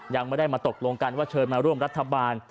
ยังไม่ได้มาตกลงกันว่าเชิญมาร่วมรัฐบาล